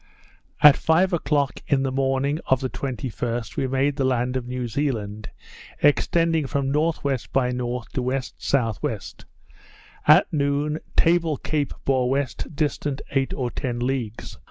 At five o'clock in the morning of the 21st, we made the land of New Zealand, extending from N.W. by N. to W.S.W.; at noon, Table Cape bore west, distant eight or ten leagues.